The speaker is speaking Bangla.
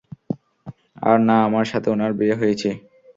আর না আমার সাথে উনার বিয়ে হয়েছে।